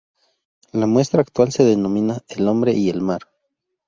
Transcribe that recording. La muestra actual se denomina "El hombre y el mar".